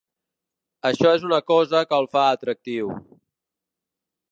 Això és una cosa que el fa atractiu.